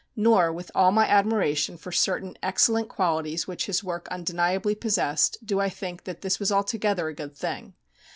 Nor, with all my admiration for certain excellent qualities which his work undeniably possessed, do I think that this was altogether a good thing.